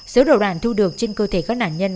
số đầu đạn thu được trên cơ thể các nạn nhân